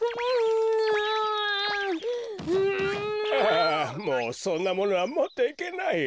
あもうそんなものはもっていけないよ。